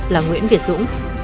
là nguyễn việt dũng